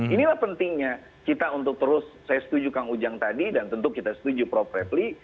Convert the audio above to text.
inilah pentingnya kita untuk terus saya setuju kang ujang tadi dan tentu kita setuju prof redli